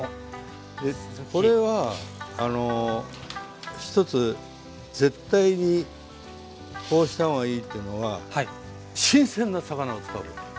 これは一つ絶対にこうした方がいいというのは新鮮な魚を使うこと！